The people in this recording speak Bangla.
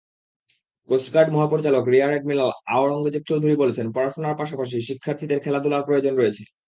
কোস্টগার্ড মহাপরিচালক রিয়ার এডমিরাল আওরঙ্গজেব চৌধুরী বলেছেন, পড়াশোনার পাশাপাশি শিক্ষার্থীদের খেলাধুলার প্রয়োজন রয়েছে।